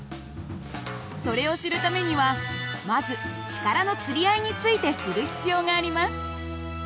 それを知るためにはまず力のつり合いについて知る必要があります。